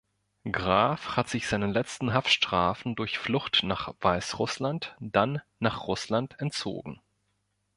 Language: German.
Graf hat sich seinen letzten Haftstrafen durch Flucht nach Weißrussland, dann nach Russland entzogen.